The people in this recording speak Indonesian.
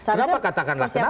kenapa katakanlah kenapa tidak